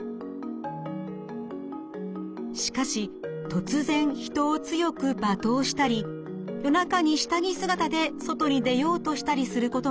しかし突然人を強く罵倒したり夜中に下着姿で外に出ようとしたりすることがあります。